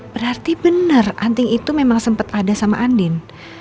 berarti bener anting itu memang sempet ada sama andin